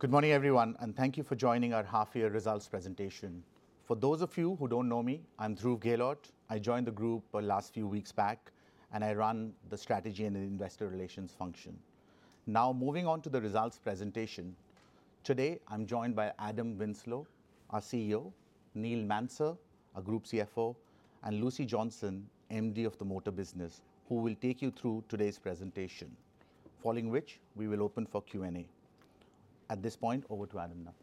Good morning, everyone, and thank you for joining our half year results presentation. For those of you who don't know me, I'm Dhruv Gehlot. I joined the group just a few weeks back, and I run the strategy and investor relations function. Now, moving on to the results presentation. Today, I'm joined by Adam Winslow, our CEO, Neil Manser, our Group CFO, and Lucy Johnson, MD of the Motor Business, who will take you through today's presentation, following which we will open for Q&A. At this point, over to Adam now.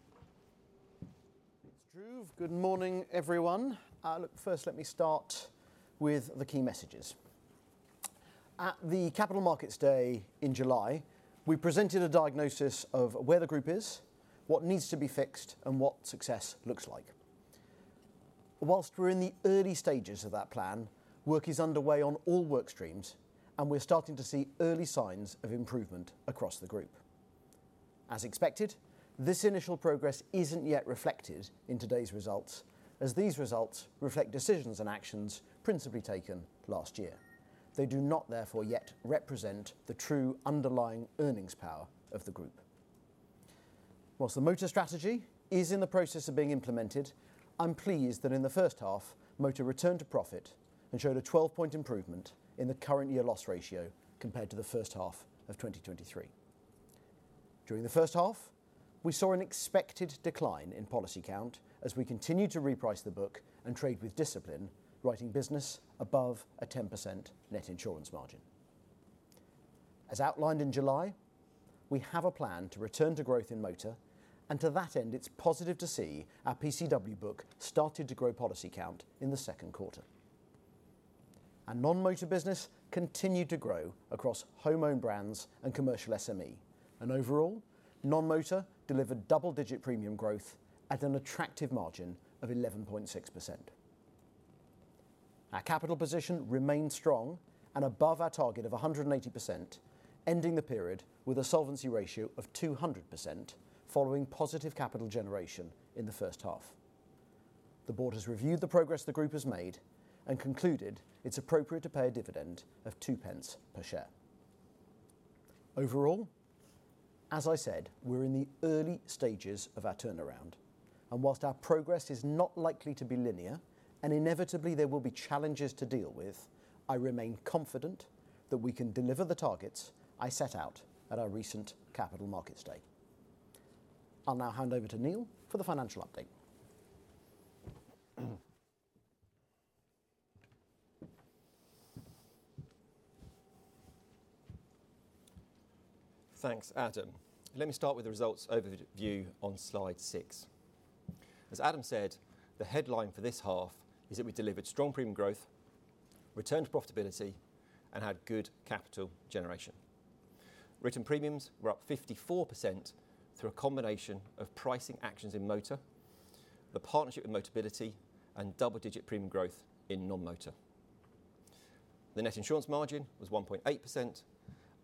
Thanks, Dhruv. Good morning, everyone. Look, first, let me start with the key messages. At the Capital Markets Day in July, we presented a diagnosis of where the group is, what needs to be fixed, and what success looks like. While we're in the early stages of that plan, work is underway on all work streams, and we're starting to see early signs of improvement across the group. As expected, this initial progress isn't yet reflected in today's results, as these results reflect decisions and actions principally taken last year. They do not, therefore, yet represent the true underlying earnings power of the group. While the motor strategy is in the process of being implemented, I'm pleased that in the first half, motor returned to profit and showed a 12-point improvement in the current year loss ratio compared to the first half of 2023. During the first half, we saw an expected decline in policy count as we continued to reprice the book and trade with discipline, writing business above a 10% net insurance margin. As outlined in July, we have a plan to return to growth in motor, and to that end, it's positive to see our PCW book started to grow policy count in the second quarter. Our non-motor business continued to grow across home-owned brands and commercial SME. Overall, non-motor delivered double-digit premium growth at an attractive margin of 11.6%. Our capital position remains strong and above our target of 180%, ending the period with a solvency ratio of 200%, following positive capital generation in the first half. The board has reviewed the progress the group has made and concluded it's appropriate to pay a dividend of two pence per share. Overall, as I said, we're in the early stages of our turnaround, and whilst our progress is not likely to be linear, and inevitably there will be challenges to deal with, I remain confident that we can deliver the targets I set out at our recent Capital Markets Day. I'll now hand over to Neil for the financial update. Thanks, Adam. Let me start with the results overview on slide six. As Adam said, the headline for this half is that we delivered strong premium growth, returned to profitability, and had good capital generation. Written premiums were up 54% through a combination of pricing actions in motor, the partnership with Motability, and double-digit premium growth in non-motor. The Net Insurance Margin was 1.8%,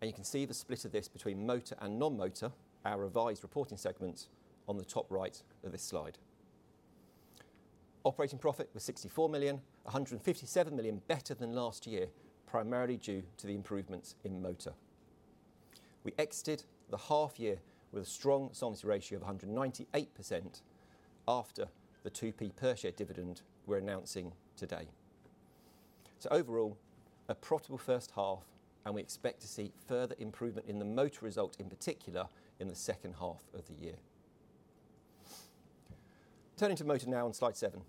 and you can see the split of this between motor and non-motor, our revised reporting segments on the top right of this slide. Operating profit was 64 million, 157 million better than last year, primarily due to the improvements in motor. We exited the half year with a strong solvency ratio of 198% after the 2p per share dividend we're announcing today. Overall, a profitable first half, and we expect to see further improvement in the motor result, in particular, in the second half of the year. Turning to motor now on slide seven.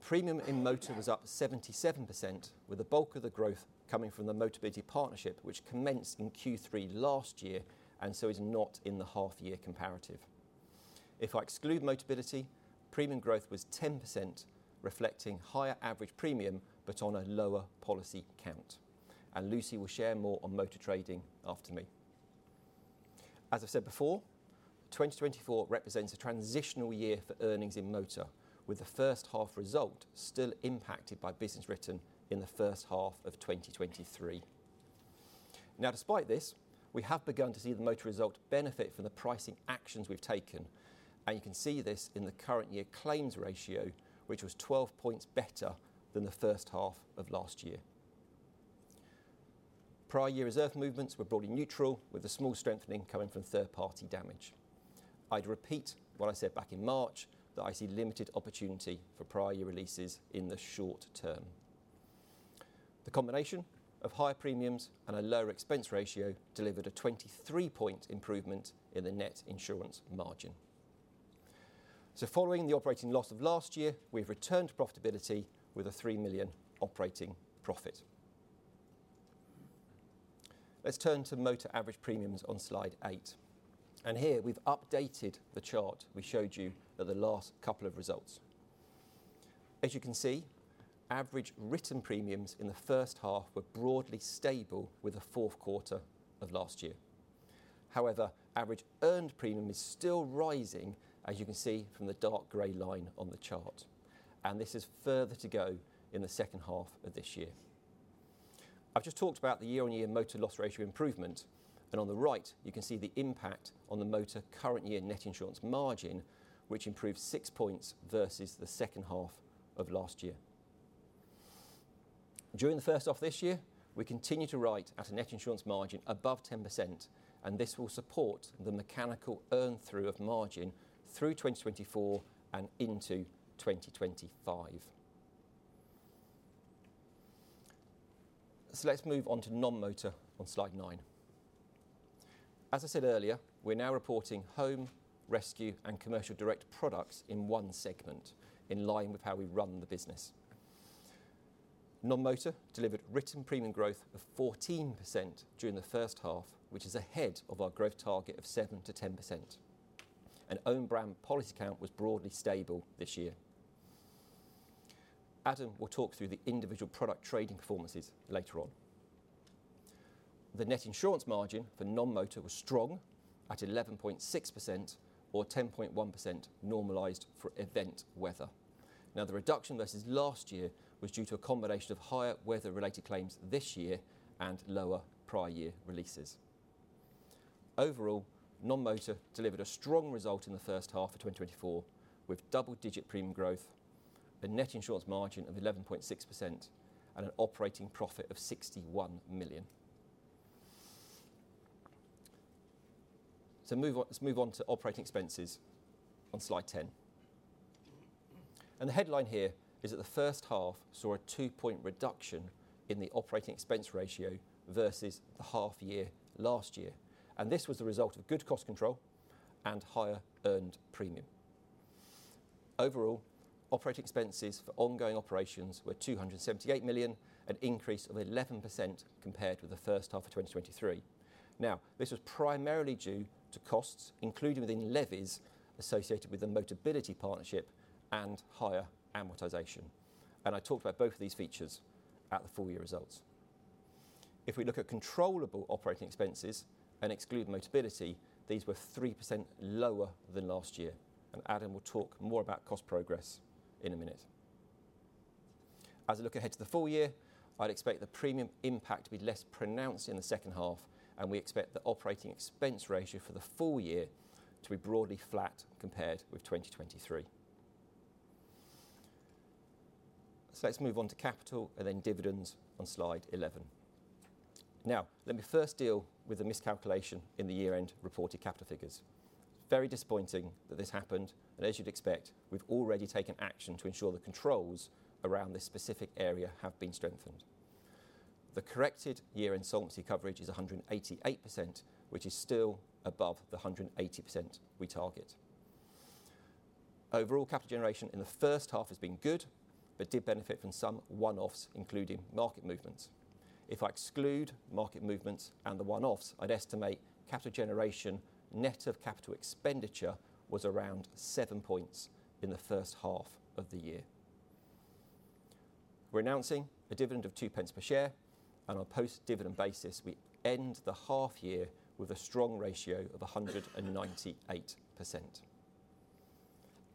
Premium in motor was up 77%, with the bulk of the growth coming from the Motability partnership, which commenced in Q3 last year and so is not in the half year comparative. If I exclude Motability, premium growth was 10%, reflecting higher average premium, but on a lower policy count, and Lucy will share more on motor trading after me. As I've said before, 2024 represents a transitional year for earnings in motor, with the first half result still impacted by business written in the first half of 2023. Now, despite this, we have begun to see the motor result benefit from the pricing actions we've taken, and you can see this in the current year claims ratio, which was 12 points better than the first half of last year. Prior year reserve movements were broadly neutral, with a small strengthening coming from third-party damage. I'd repeat what I said back in March, that I see limited opportunity for prior year releases in the short term. The combination of higher premiums and a lower expense ratio delivered a 23 point improvement in the net insurance margin. So following the operating loss of last year, we've returned to profitability with a 3 million operating profit. Let's turn to motor average premiums on slide eight, and here we've updated the chart we showed you at the last couple of results. As you can see, average written premiums in the first half were broadly stable with the fourth quarter of last year. However, average earned premium is still rising, as you can see from the dark gray line on the chart, and this is further to go in the second half of this year. I've just talked about the year-on-year motor loss ratio improvement, and on the right, you can see the impact on the motor current year net insurance margin, which improved six points versus the second half of last year. During the first half of this year, we continued to write at a net insurance margin above 10%, and this will support the mechanical earn through of margin through 2024 and into 2025. So let's move on to non-motor on slide nine. As I said earlier, we're now reporting home, rescue, and commercial direct products in one segment, in line with how we run the business. Non-motor delivered written premium growth of 14% during the first half, which is ahead of our growth target of 7%-10%, and own brand policy count was broadly stable this year. Adam will talk through the individual product trading performances later on. The net insurance margin for non-motor was strong at 11.6% or 10.1% normalized for event weather. Now, the reduction versus last year was due to a combination of higher weather-related claims this year and lower prior year releases. Overall, non-motor delivered a strong result in the first half of 2024, with double-digit premium growth, a net insurance margin of 11.6%, and an operating profit of 61 million. Let's move on to operating expenses on slide 10. The headline here is that the first half saw a two-point reduction in the operating expense ratio versus the half year last year, and this was the result of good cost control and higher earned premium. Overall, operating expenses for ongoing operations were 278 million, an increase of 11% compared with the first half of 2023. Now, this was primarily due to costs, including within levies associated with the Motability partnership and higher amortization. I talked about both of these features at the full year results. If we look at controllable operating expenses and exclude Motability, these were 3% lower than last year, and Adam will talk more about cost progress in a minute. As I look ahead to the full year, I'd expect the premium impact to be less pronounced in the second half, and we expect the operating expense ratio for the full year to be broadly flat compared with twenty twenty-three. So let's move on to capital and then dividends on slide 11. Now, let me first deal with the miscalculation in the year-end reported capital figures. Very disappointing that this happened, and as you'd expect, we've already taken action to ensure the controls around this specific area have been strengthened. The corrected year-end solvency coverage is 188%, which is still above the 180% we target. Overall, capital generation in the first half has been good but did benefit from some one-offs, including market movements. If I exclude market movements and the one-offs, I'd estimate capital generation net of capital expenditure was around seven points in the first half of the year. We're announcing a dividend of two pence per share, and on a post-dividend basis, we end the half year with a strong ratio of 198%.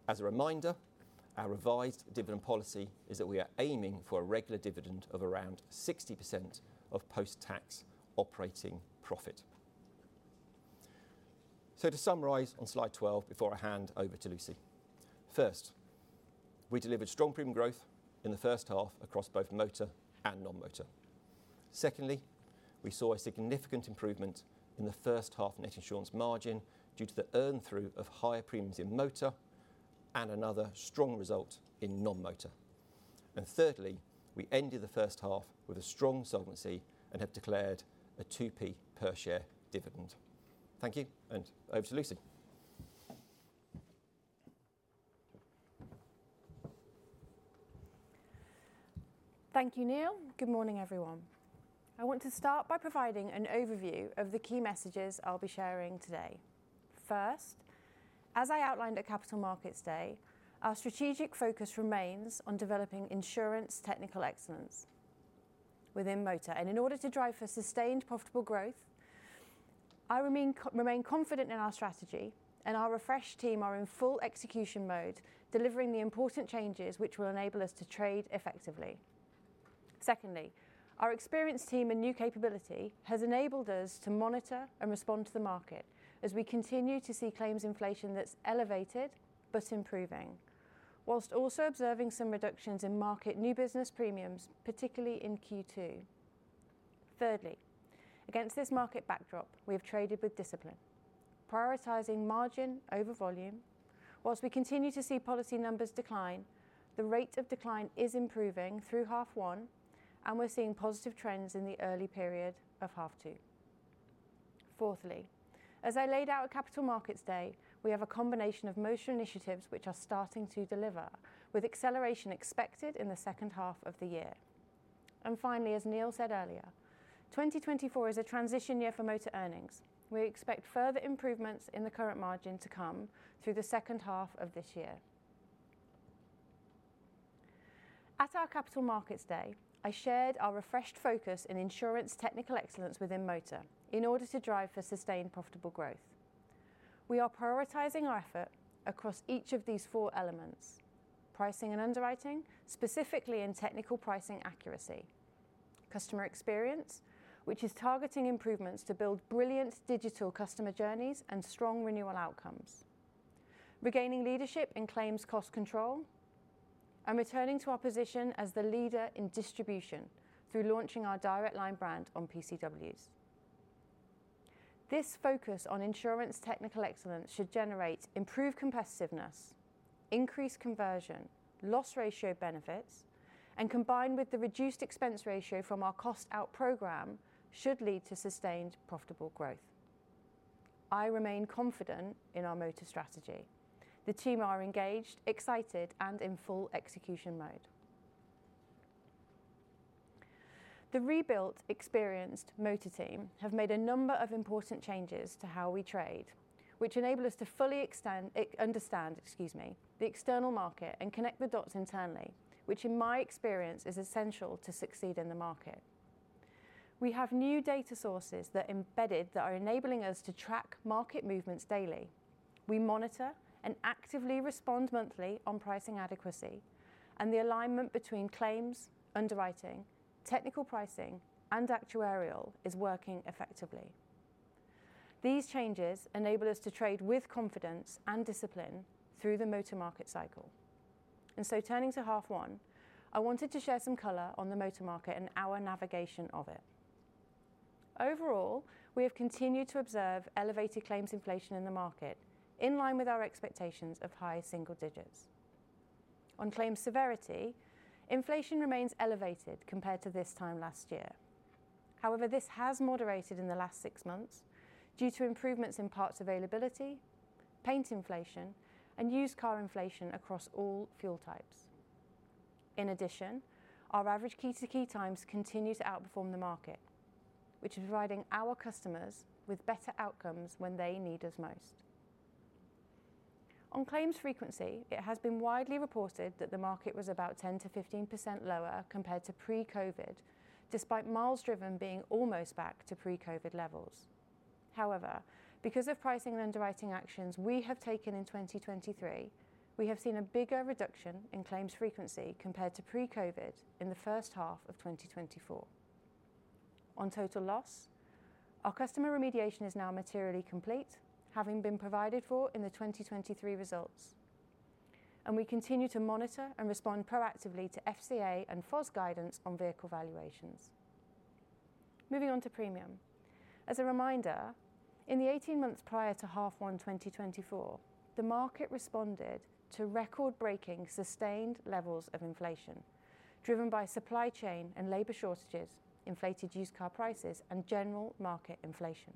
As a reminder, our revised dividend policy is that we are aiming for a regular dividend of around 60% of post-tax operating profit. So to summarize on slide 12 before I hand over to Lucy: First, we delivered strong premium growth in the first half across both motor and non-motor. Secondly, we saw a significant improvement in the first half net insurance margin due to the earn through of higher premiums in motor and another strong result in non-motor. And thirdly, we ended the first half with a strong solvency and have declared a 2p per share dividend. Thank you, and over to Lucy. Thank you, Neil. Good morning, everyone. I want to start by providing an overview of the key messages I'll be sharing today. First, as I outlined at Capital Markets Day, our strategic focus remains on developing insurance technical excellence within motor and in order to drive for sustained, profitable growth. I remain confident in our strategy, and our refreshed team are in full execution mode, delivering the important changes which will enable us to trade effectively. Secondly, our experienced team and new capability has enabled us to monitor and respond to the market as we continue to see claims inflation that's elevated but improving, whilst also observing some reductions in market new business premiums, particularly in Q2. Thirdly, against this market backdrop, we have traded with discipline, prioritizing margin over volume. While we continue to see policy numbers decline, the rate of decline is improving through half one, and we're seeing positive trends in the early period of half two. Fourthly, as I laid out at Capital Markets Day, we have a combination of motor initiatives which are starting to deliver, with acceleration expected in the second half of the year. And finally, as Neil said earlier, 2024 is a transition year for motor earnings. We expect further improvements in the current margin to come through the second half of this year. At our Capital Markets Day, I shared our refreshed focus in insurance technical excellence within motor in order to drive for sustained, profitable growth. We are prioritizing our effort across each of these four elements: pricing and underwriting, specifically in technical pricing accuracy, customer experience, which is targeting improvements to build brilliant digital customer journeys and strong renewal outcomes, regaining leadership in claims cost control, and returning to our position as the leader in distribution through launching our Direct Line brand on PCWs. This focus on insurance technical excellence should generate improved competitiveness, increased conversion, loss ratio benefits, and combined with the reduced expense ratio from our cost out program, should lead to sustained profitable growth. I remain confident in our motor strategy. The team are engaged, excited, and in full execution mode. The rebuilt, experienced motor team have made a number of important changes to how we trade, which enable us to fully understand the external market and connect the dots internally, which in my experience is essential to succeed in the market. We have new data sources that are embedded that are enabling us to track market movements daily. We monitor and actively respond monthly on pricing adequacy, and the alignment between claims, underwriting, technical pricing, and actuarial is working effectively. These changes enable us to trade with confidence and discipline through the motor market cycle. And so turning to half one, I wanted to share some color on the motor market and our navigation of it. Overall, we have continued to observe elevated claims inflation in the market, in line with our expectations of high single digits. On claims severity, inflation remains elevated compared to this time last year. However, this has moderated in the last six months due to improvements in parts availability, paint inflation, and used car inflation across all fuel types. In addition, our average key to key times continue to outperform the market, which is providing our customers with better outcomes when they need us most. On claims frequency, it has been widely reported that the market was about 10%-15% lower compared to pre-COVID, despite miles driven being almost back to pre-COVID levels. However, because of pricing and underwriting actions we have taken in 2023, we have seen a bigger reduction in claims frequency compared to pre-COVID in the first half of 2024. On total loss, our customer remediation is now materially complete, having been provided for in the 2023 results, and we continue to monitor and respond proactively to FCA and FOS guidance on vehicle valuations. Moving on to premium. As a reminder, in the eighteen months prior to half 1 2024, the market responded to record-breaking sustained levels of inflation, driven by supply chain and labor shortages, inflated used car prices, and general market inflation.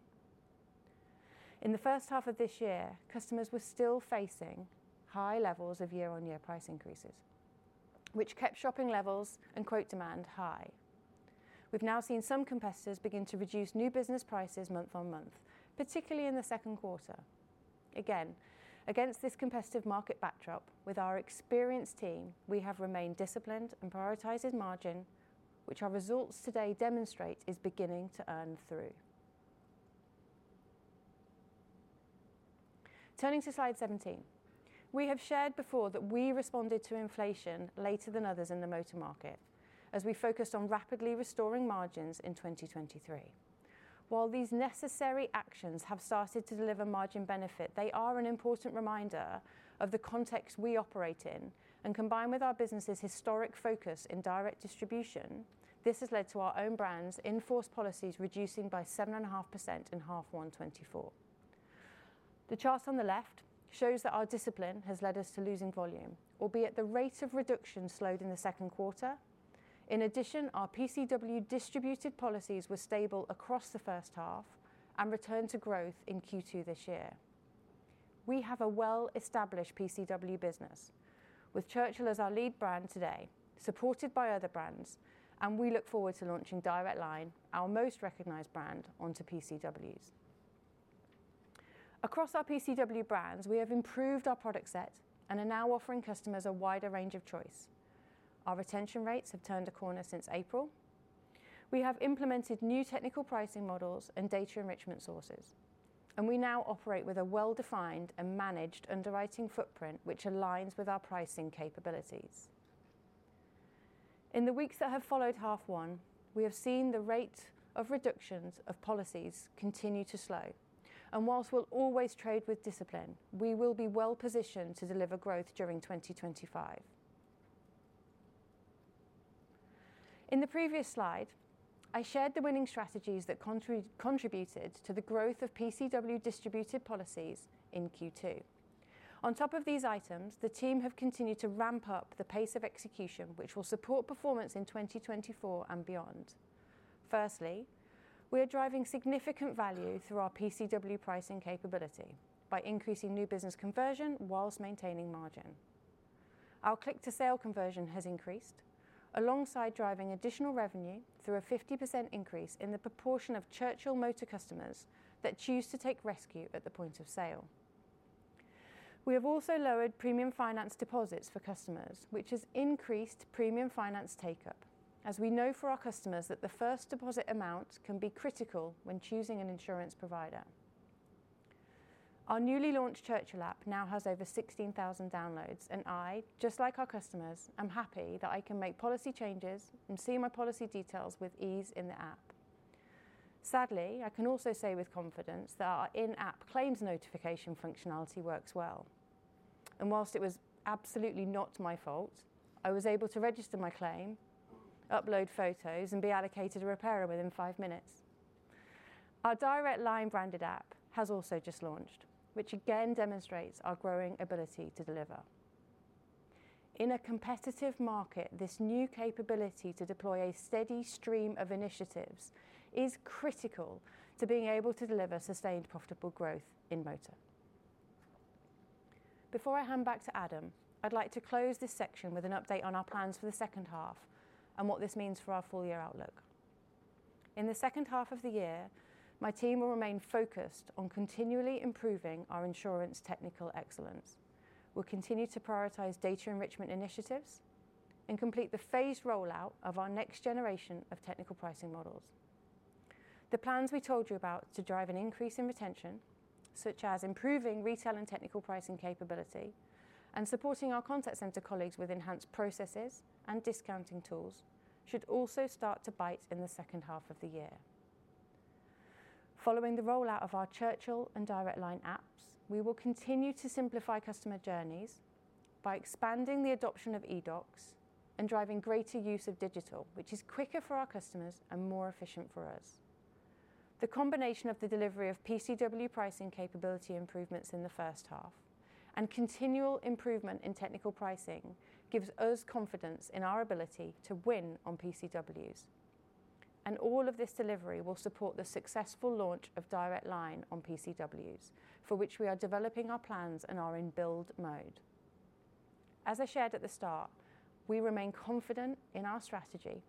In the first half of this year, customers were still facing high levels of year-on-year price increases, which kept shopping levels and quote demand high. We've now seen some competitors begin to reduce new business prices month on month, particularly in the second quarter. Again, against this competitive market backdrop, with our experienced team, we have remained disciplined and prioritized margin, which our results today demonstrate is beginning to earn through. Turning to Slide 17. We have shared before that we responded to inflation later than others in the motor market as we focused on rapidly restoring margins in 2023. While these necessary actions have started to deliver margin benefit, they are an important reminder of the context we operate in, and combined with our business's historic focus in direct distribution, this has led to our own brands in-force policies reducing by 7.5% in half 1 2024. The chart on the left shows that our discipline has led us to losing volume, albeit the rate of reduction slowed in the second quarter. In addition, our PCW distributed policies were stable across the first half and returned to growth in Q2 this year. We have a well-established PCW business with Churchill as our lead brand today, supported by other brands, and we look forward to launching Direct Line, our most recognized brand, onto PCWs. Across our PCW brands, we have improved our product set and are now offering customers a wider range of choice. Our retention rates have turned a corner since April. We have implemented new technical pricing models and data enrichment sources, and we now operate with a well-defined and managed underwriting footprint, which aligns with our pricing capabilities. In the weeks that have followed half one, we have seen the rate of reductions of policies continue to slow, and whilst we'll always trade with discipline, we will be well positioned to deliver growth during 2025. In the previous slide, I shared the winning strategies that contributed to the growth of PCW distributed policies in Q2. On top of these items, the team have continued to ramp up the pace of execution, which will support performance in 2024 and beyond. Firstly, we are driving significant value through our PCW pricing capability by increasing new business conversion whilst maintaining margin. Our click-to-sale conversion has increased alongside driving additional revenue through a 50% increase in the proportion of Churchill motor customers that choose to take rescue at the point of sale. We have also lowered premium finance deposits for customers, which has increased premium finance take-up, as we know for our customers that the first deposit amount can be critical when choosing an insurance provider. Our newly launched Churchill app now has over 16,000 downloads, and I, just like our customers, am happy that I can make policy changes and see my policy details with ease in the app. Sadly, I can also say with confidence that our in-app claims notification functionality works well. And while it was absolutely not my fault, I was able to register my claim, upload photos, and be allocated a repairer within five minutes. Our Direct Line branded app has also just launched, which again demonstrates our growing ability to deliver. In a competitive market, this new capability to deploy a steady stream of initiatives is critical to being able to deliver sustained, profitable growth in motor. Before I hand back to Adam, I'd like to close this section with an update on our plans for the second half and what this means for our full year outlook. In the second half of the year, my team will remain focused on continually improving our insurance technical excellence. We'll continue to prioritize data enrichment initiatives and complete the phased rollout of our next generation of technical pricing models. The plans we told you about to drive an increase in retention, such as improving retail and technical pricing capability and supporting our contact center colleagues with enhanced processes and discounting tools, should also start to bite in the second half of the year. Following the rollout of our Churchill and Direct Line apps, we will continue to simplify customer journeys by expanding the adoption of eDocs and driving greater use of digital, which is quicker for our customers and more efficient for us. The combination of the delivery of PCW pricing capability improvements in the first half and continual improvement in technical pricing gives us confidence in our ability to win on PCWs. And all of this delivery will support the successful launch of Direct Line on PCWs, for which we are developing our plans and are in build mode. As I shared at the start, we remain confident in our strategy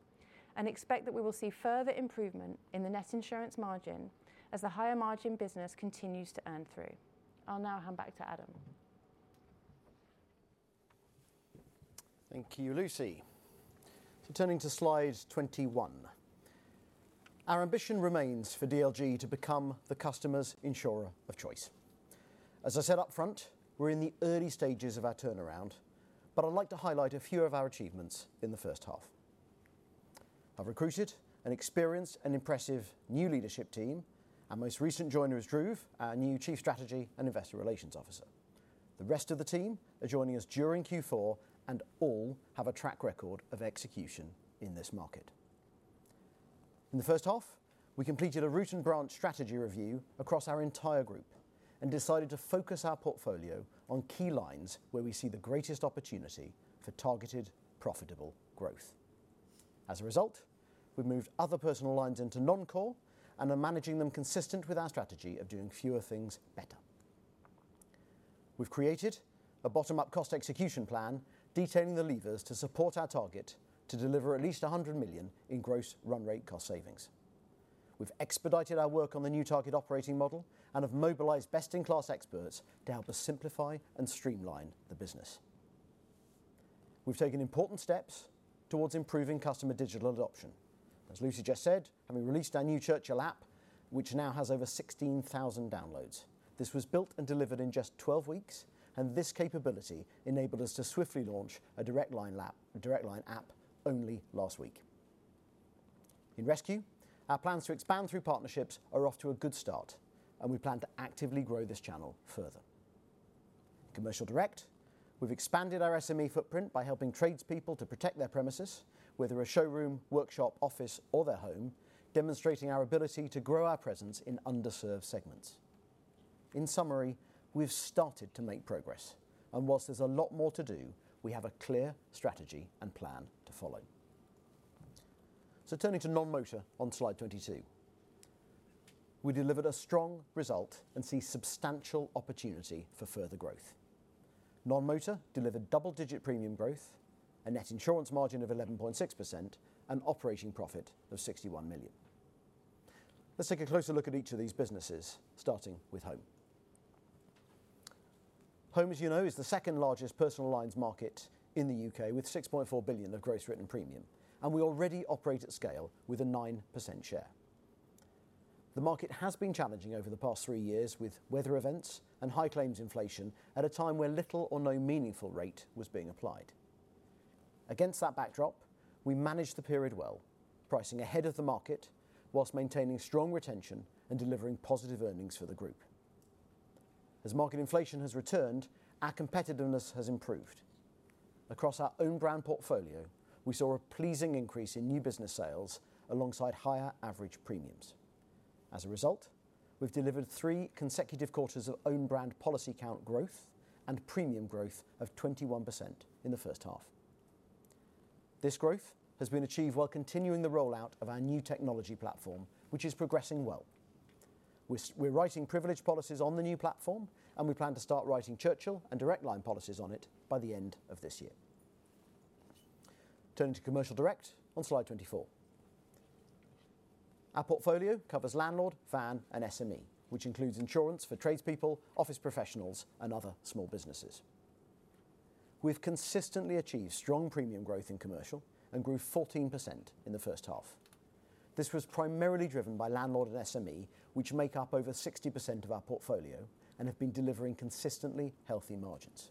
and expect that we will see further improvement in the net insurance margin as the higher margin business continues to earn through. I'll now hand back to Adam. Thank you, Lucy. So turning to slide 21. Our ambition remains for DLG to become the customer's insurer of choice. As I said up front, we're in the early stages of our turnaround, but I'd like to highlight a few of our achievements in the first half. I've recruited an experienced and impressive new leadership team. Our most recent joiner is Dhruv, our new Chief Strategy and Investor Relations Officer. The rest of the team are joining us during Q4, and all have a track record of execution in this market. In the first half, we completed a root and branch strategy review across our entire group and decided to focus our portfolio on key lines where we see the greatest opportunity for targeted, profitable growth. As a result, we've moved other personal lines into non-core and are managing them consistent with our strategy of doing fewer things better. We've created a bottom-up cost execution plan, detailing the levers to support our target to deliver at least 100 million in Gross Run-Rate Cost Savings. We've expedited our work on the new target operating model and have mobilized best-in-class experts to help us simplify and streamline the business. We've taken important steps towards improving customer digital adoption. As Lucy just said, having released our new Churchill app, which now has over 16,000 downloads. This was built and delivered in just 12 weeks, and this capability enabled us to swiftly launch a Direct Line app, a Direct Line app only last week. In Rescue, our plans to expand through partnerships are off to a good start, and we plan to actively grow this channel further. Commercial Direct, we've expanded our SME footprint by helping tradespeople to protect their premises, whether a showroom, workshop, office, or their home, demonstrating our ability to grow our presence in underserved segments. In summary, we've started to make progress, and whilst there's a lot more to do, we have a clear strategy and plan to follow, so turning to non-motor on slide 22. We delivered a strong result and see substantial opportunity for further growth. Non-motor delivered double-digit premium growth, a net insurance margin of 11.6%, and operating profit of 61 million. Let's take a closer look at each of these businesses, starting with home. Home, as you know, is the second largest personal lines market in the UK, with 6.4 billion of Gross Written Premium, and we already operate at scale with a 9% share. The market has been challenging over the past three years, with weather events and high claims inflation at a time where little or no meaningful rate was being applied. Against that backdrop, we managed the period well, pricing ahead of the market while maintaining strong retention and delivering positive earnings for the group. As market inflation has returned, our competitiveness has improved. Across our own brand portfolio, we saw a pleasing increase in new business sales alongside higher average premiums. As a result, we've delivered three consecutive quarters of own brand policy count growth and premium growth of 21% in the first half. This growth has been achieved while continuing the rollout of our new technology platform, which is progressing well. We're writing Privilege policies on the new platform, and we plan to start writing Churchill and Direct Line policies on it by the end of this year. Turning to Commercial Direct on slide 24. Our portfolio covers landlord, van, and SME, which includes insurance for tradespeople, office professionals, and other small businesses. We've consistently achieved strong premium growth in commercial and grew 14% in the first half. This was primarily driven by landlord and SME, which make up over 60% of our portfolio and have been delivering consistently healthy margins.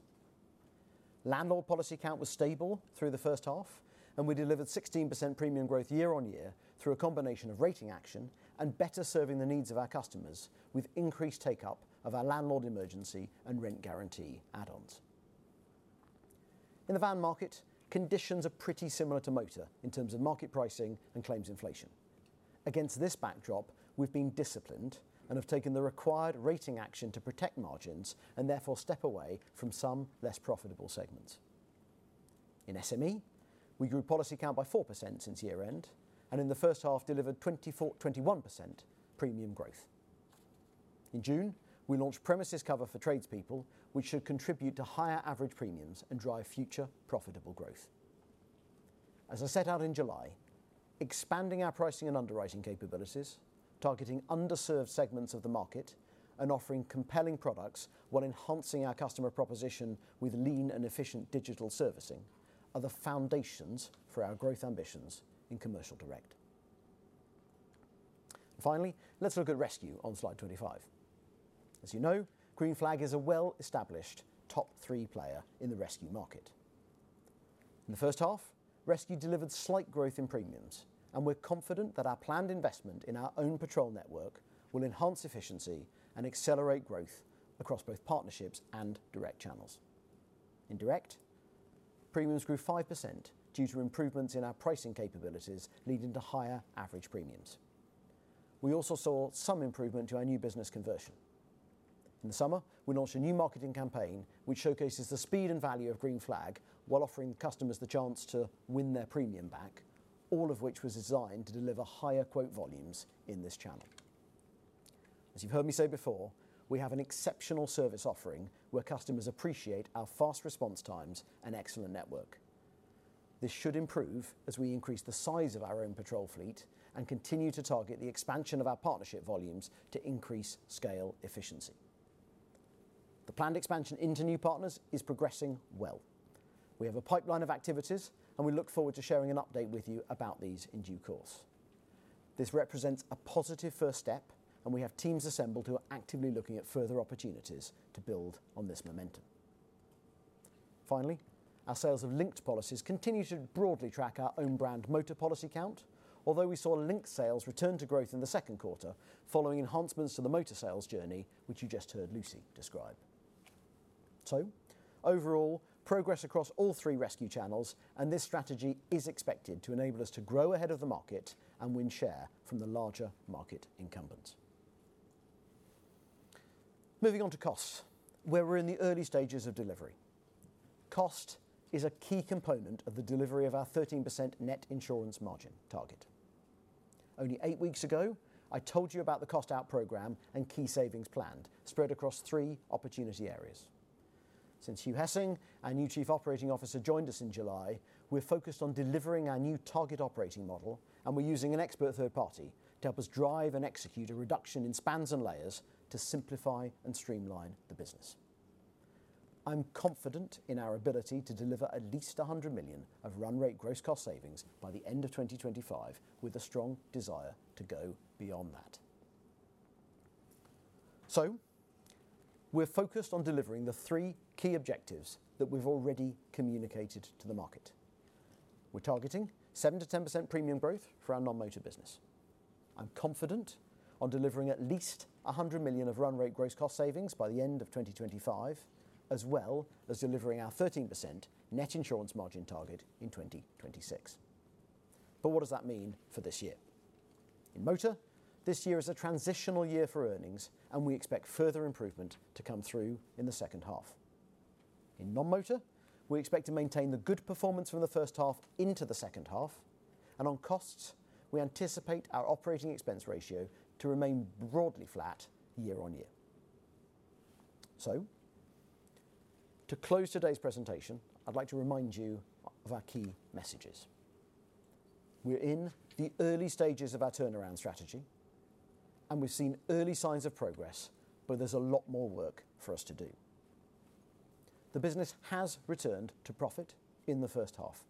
Landlord policy count was stable through the first half, and we delivered 16% premium growth year on year through a combination of rating action and better serving the needs of our customers, with increased take-up of our landlord emergency and rent guarantee add-ons. In the van market, conditions are pretty similar to motor in terms of market pricing and claims inflation. Against this backdrop, we've been disciplined and have taken the required rating action to protect margins and therefore step away from some less profitable segments. In SME, we grew policy count by 4% since year-end, and in the first half delivered 21% premium growth. In June, we launched premises cover for tradespeople, which should contribute to higher average premiums and drive future profitable growth. As I set out in July, expanding our pricing and underwriting capabilities, targeting underserved segments of the market, and offering compelling products while enhancing our customer proposition with lean and efficient digital servicing are the foundations for our growth ambitions in Commercial Direct. Finally, let's look at Rescue on slide 25. As you know, Green Flag is a well-established top three player in the rescue market. In the first half, Rescue delivered slight growth in premiums, and we're confident that our planned investment in our own patrol network will enhance efficiency and accelerate growth across both partnerships and direct channels. In Direct, premiums grew 5% due to improvements in our pricing capabilities, leading to higher average premiums. We also saw some improvement to our new business conversion. In the summer, we launched a new marketing campaign, which showcases the speed and value of Green Flag while offering customers the chance to win their premium back, all of which was designed to deliver higher quote volumes in this channel. As you've heard me say before, we have an exceptional service offering where customers appreciate our fast response times and excellent network. This should improve as we increase the size of our own patrol fleet and continue to target the expansion of our partnership volumes to increase scale efficiency. The planned expansion into new partners is progressing well. We have a pipeline of activities, and we look forward to sharing an update with you about these in due course. This represents a positive first step, and we have teams assembled who are actively looking at further opportunities to build on this momentum. Finally, our sales of linked policies continue to broadly track our own brand motor policy count, although we saw linked sales return to growth in the second quarter, following enhancements to the motor sales journey, which you just heard Lucy describe. So overall, progress across all three rescue channels, and this strategy is expected to enable us to grow ahead of the market and win share from the larger market incumbents. Moving on to costs, where we're in the early stages of delivery. Cost is a key component of the delivery of our 13% net insurance margin target. Only eight weeks ago, I told you about the cost-out program and key savings planned, spread across three opportunity areas. Since Hugh Hessing, our new Chief Operating Officer, joined us in July, we're focused on delivering our new target operating model, and we're using an expert third party to help us drive and execute a reduction in spans and layers to simplify and streamline the business. I'm confident in our ability to deliver at least 100 million of run rate gross cost savings by the end of 2025, with a strong desire to go beyond that. So we're focused on delivering the three key objectives that we've already communicated to the market. We're targeting 7%-10% premium growth for our non-motor business. I'm confident on delivering at least 100 million of run rate gross cost savings by the end of 2025, as well as delivering our 13% net insurance margin target in 2026. But what does that mean for this year? In motor, this year is a transitional year for earnings, and we expect further improvement to come through in the second half. In non-motor, we expect to maintain the good performance from the first half into the second half, and on costs, we anticipate our operating expense ratio to remain broadly flat year on year. So to close today's presentation, I'd like to remind you of our key messages. We're in the early stages of our turnaround strategy, and we've seen early signs of progress, but there's a lot more work for us to do. The business has returned to profit in the first half.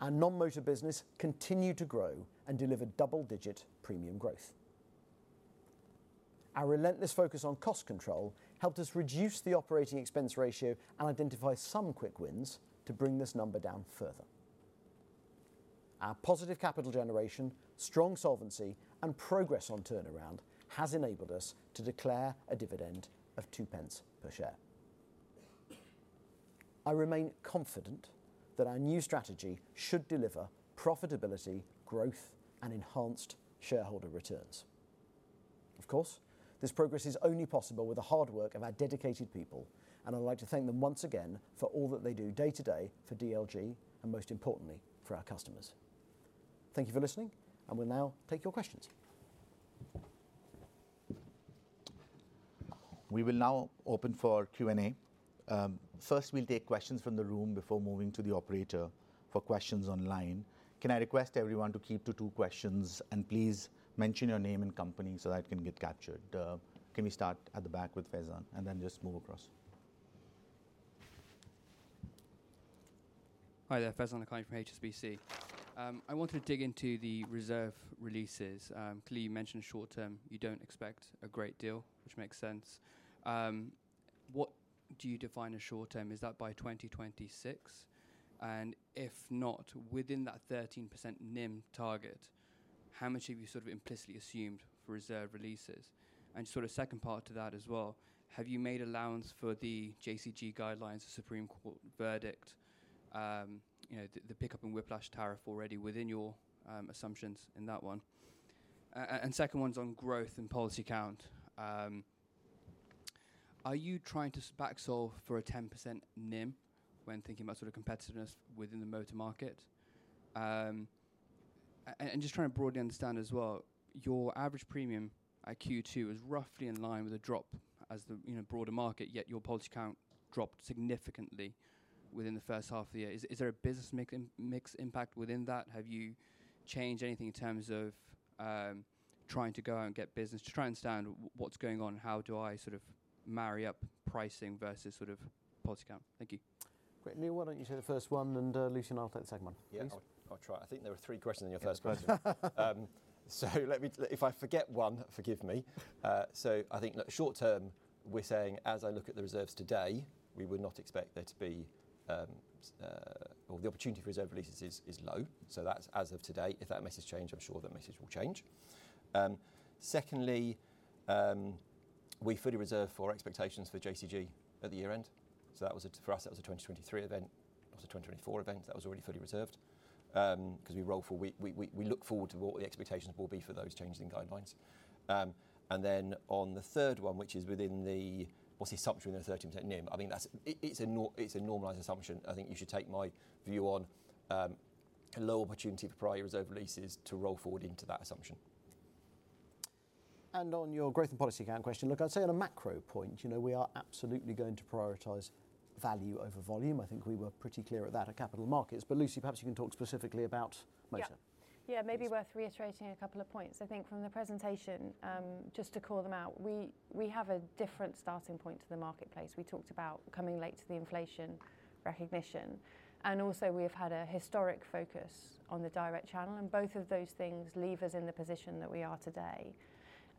Our non-motor business continued to grow and delivered double-digit premium growth. Our relentless focus on cost control helped us reduce the operating expense ratio and identify some quick wins to bring this number down further. Our positive capital generation, strong solvency, and progress on turnaround has enabled us to declare a dividend of 0.02 per share. I remain confident that our new strategy should deliver profitability, growth, and enhanced shareholder returns. Of course, this progress is only possible with the hard work of our dedicated people, and I'd like to thank them once again for all that they do day to day for DLG and most importantly, for our customers. Thank you for listening, and we'll now take your questions. We will now open for Q&A. First, we'll take questions from the room before moving to the operator for questions online. Can I request everyone to keep to two questions, and please mention your name and company so that it can get captured? Can we start at the back with Faizan and then just move across?... Hi there, Faizan Lakhani from HSBC. I wanted to dig into the reserve releases. Clearly, you mentioned short term, you don't expect a great deal, which makes sense. What do you define as short term? Is that by 2026? And if not, within that 13% NIM target, how much have you sort of implicitly assumed for reserve releases? And sort of second part to that as well, have you made allowance for the JCG guidelines, the Supreme Court verdict, you know, the pickup in whiplash tariff already within your assumptions in that one? And second one's on growth and policy count. Are you trying to back solve for a 10% NIM when thinking about sort of competitiveness within the motor market? And just trying to broadly understand as well, your average premium at Q2 is roughly in line with a drop as the, you know, broader market, yet your policy count dropped significantly within the first half of the year. Is there a business mix impact within that? Have you changed anything in terms of trying to go out and get business? Just try and understand what's going on, how do I sort of marry up pricing versus sort of policy count? Thank you. Great. Neil, why don't you take the first one, and Lucy and I'll take the second one, please. Yeah, I'll try. I think there were three questions in your first question. So let me... If I forget one, forgive me. So I think short term, we're saying, as I look at the reserves today, we would not expect there to be, or the opportunity for reserve releases is low. So that's as of today. If that message change, I'm sure that message will change. Secondly, we fully reserve for expectations for JCG at the year-end. So that was for us, that was a 2023 event. It was a 2024 event. That was already fully reserved, 'cause we look forward to what the expectations will be for those changing guidelines. And then on the third one, which is within the, what's the assumption within the 13% NIM? I mean, that's... It's a normalized assumption. I think you should take my view on a low opportunity for prior reserve releases to roll forward into that assumption. And on your growth and policy count question, look, I'd say on a macro point, you know, we are absolutely going to prioritize value over volume. I think we were pretty clear at that at Capital Markets. But Lucy, perhaps you can talk specifically about motor. Yeah. Yeah, maybe worth reiterating a couple of points. I think from the presentation, just to call them out, we, we have a different starting point to the marketplace. We talked about coming late to the inflation recognition, and also we've had a historic focus on the direct channel, and both of those things leave us in the position that we are today.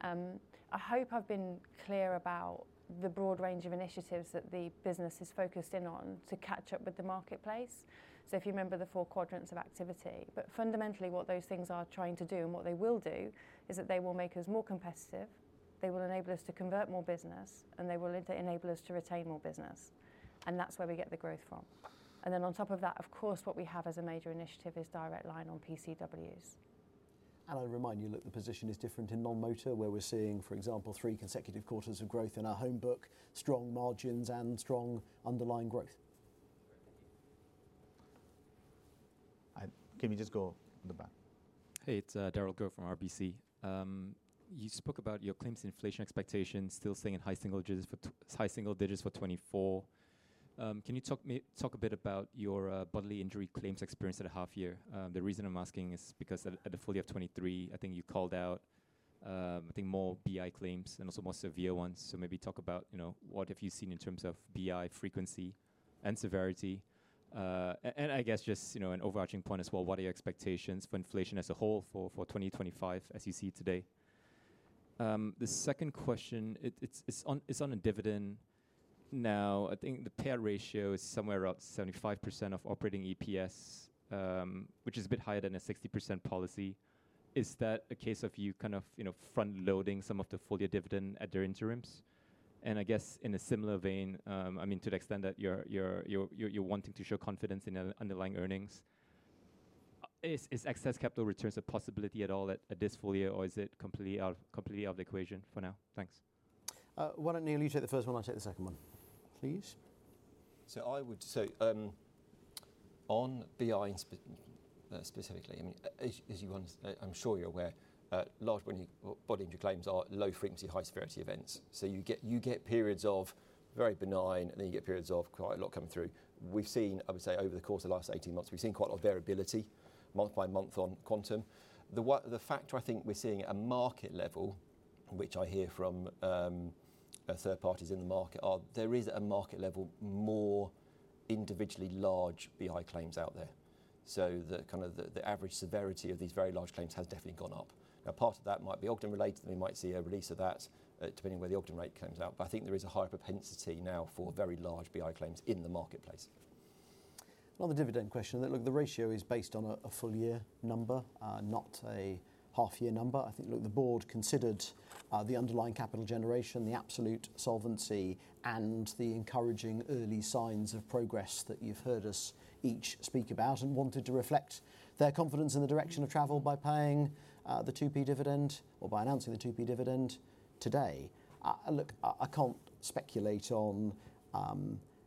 I hope I've been clear about the broad range of initiatives that the business is focused in on to catch up with the marketplace. So if you remember the four quadrants of activity, but fundamentally, what those things are trying to do, and what they will do, is that they will make us more competitive, they will enable us to convert more business, and they will enable us to retain more business. And that's where we get the growth from. And then on top of that, of course, what we have as a major initiative is Direct Line on PCWs. I remind you, look, the position is different in non-motor, where we're seeing, for example, three consecutive quarters of growth in our home book, strong margins and strong underlying growth. Can we just go on the back? Hey, it's Darragh Quinn from RBC. You spoke about your claims inflation expectations still staying in high single digits for 2024. Can you talk a bit about your bodily injury claims experience at a half year? The reason I'm asking is because at the full year of 2023, I think you called out more BI claims and also more severe ones. So maybe talk about, you know, what have you seen in terms of BI frequency and severity. And I guess just, you know, an overarching point as well, what are your expectations for inflation as a whole for 2025 as you see it today? The second question, it's on a dividend. Now, I think the payout ratio is somewhere around 75% of operating EPS, which is a bit higher than a 60% policy. Is that a case of you kind of, you know, front-loading some of the full year dividend at the interims? And I guess in a similar vein, I mean, to the extent that you're wanting to show confidence in the underlying earnings, is excess capital returns a possibility at all at this full year, or is it completely out of the equation for now? Thanks. Why don't, Neil, you take the first one? I'll take the second one, please. So I would say, on BI and specifically, I mean, as you understand. I'm sure you're aware, large bodily injury claims are low frequency, high severity events. So you get periods of very benign, and then you get periods of quite a lot coming through. We've seen, I would say, over the course of the last eighteen months, we've seen quite a lot of variability month by month on quantum. The factor I think we're seeing at a market level, which I hear from third parties in the market, is there is a market level more individually large BI claims out there. So the kind of the average severity of these very large claims has definitely gone up. Now, part of that might be Ogden related, and we might see a release of that, depending on where the Ogden rate comes out. But I think there is a higher propensity now for very large BI claims in the marketplace. On the dividend question, look, the ratio is based on a full year number, not a half year number. I think, look, the board considered the underlying capital generation, the absolute solvency, and the encouraging early signs of progress that you've heard us each speak about and wanted to reflect their confidence in the direction of travel by paying the 2p dividend or by announcing the 2p dividend today. Look, I can't speculate on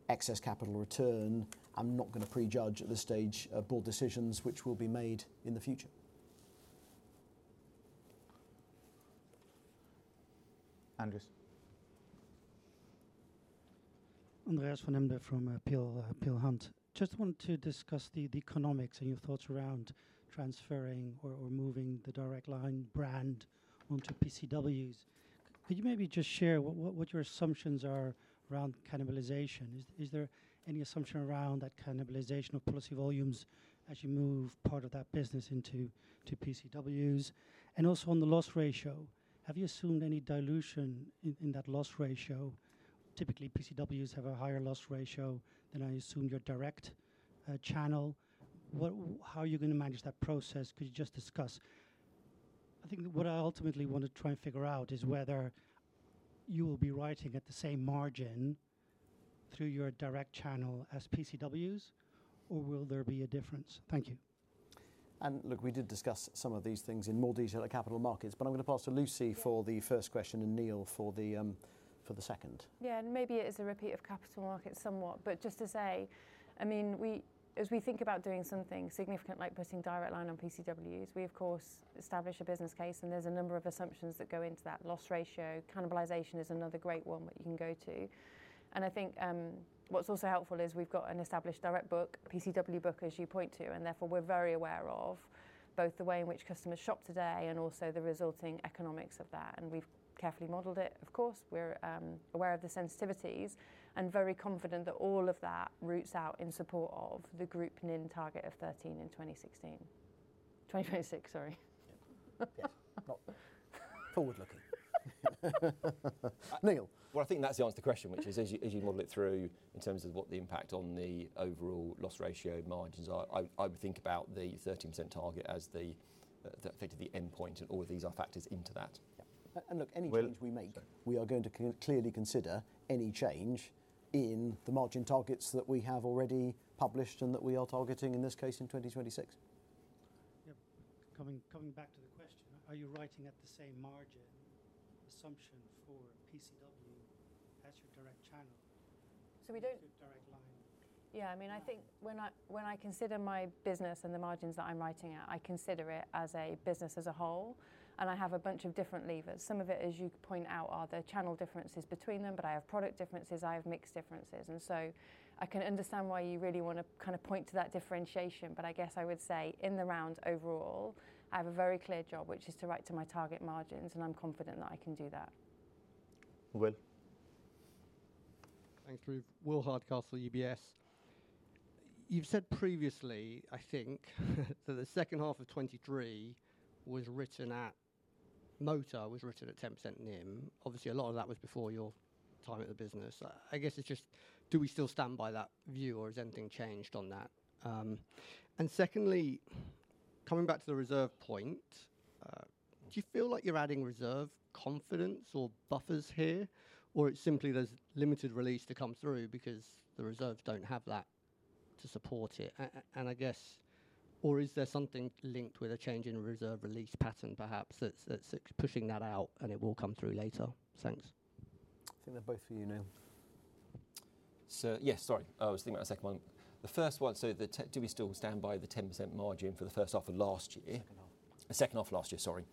excess capital return. I'm not gonna prejudge at this stage board decisions which will be made in the future. Andreas. Andreas van Embden from Peel Hunt. Just wanted to discuss the economics and your thoughts around transferring or moving the Direct Line brand onto PCWs, 'cause-... Could you maybe just share what your assumptions are around cannibalization? Is there any assumption around that cannibalization of policy volumes as you move part of that business into PCWs? And also on the loss ratio, have you assumed any dilution in that loss ratio? Typically, PCWs have a higher loss ratio than I assume your direct channel. How are you going to manage that process? Could you just discuss? I think what I ultimately want to try and figure out is whether you will be writing at the same margin through your direct channel as PCWs, or will there be a difference? Thank you. And look, we did discuss some of these things in more detail at capital markets, but I'm going to pass to Lucy for the first question and Neil for the second. Yeah, and maybe it is a repeat of Capital Markets somewhat. But just to say, I mean, we as we think about doing something significant, like putting Direct Line on PCWs, we of course establish a business case, and there's a number of assumptions that go into that. Loss ratio, cannibalization is another great one that you can go to. And I think what's also helpful is we've got an established direct book, PCW book, as you point to, and therefore we're very aware of both the way in which customers shop today and also the resulting economics of that. And we've carefully modeled it, of course. We're aware of the sensitivities and very confident that all of that routes out in support of the Group NIM target of 13% in 2026. Yeah. Not forward-looking. Neil. I think that's the answer to the question, which is as you model it through, in terms of what the impact on the overall loss ratio margins are. I would think about the 13% target as the endpoint, and all of these are factors into that. Yeah, and look, any change- Well- We make, we are going to clearly consider any change in the margin targets that we have already published and that we are targeting, in this case, in 2026. Yeah. Coming back to the question, are you writing at the same margin assumption for PCW as your direct channel? So we don't- Your Direct Line. Yeah, I mean, I think when I consider my business and the margins that I'm writing at, I consider it as a business as a whole, and I have a bunch of different levers. Some of it, as you point out, are the channel differences between them, but I have product differences, I have mixed differences. And so I can understand why you really want to kind of point to that differentiation, but I guess I would say in the round overall, I have a very clear job, which is to write to my target margins, and I'm confident that I can do that. Will? Thanks, Ruth. Will Hardcastle, UBS. You've said previously, I think, that the second half of 2023 was written at... Motor was written at 10% NIM. Obviously, a lot of that was before your time at the business. I guess it's just, do we still stand by that view, or has anything changed on that? And secondly, coming back to the reserve point, do you feel like you're adding reserve confidence or buffers here, or it's simply there's limited release to come through because the reserves don't have that to support it? And I guess... Or is there something linked with a change in reserve release pattern, perhaps, that's pushing that out, and it will come through later? Thanks. I think they're both for you, Neil. So yes, sorry. I was thinking about the second one. The first one, so do we still stand by the 10% margin for the first half of last year? The second half of last year, sorry.